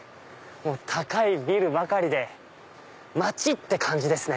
高いビルばかりで街って感じですね。